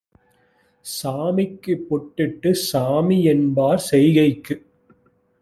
சாணிக்குப் பொட்டிட்டுச் சாமிஎன்பார் செய்கைக்கு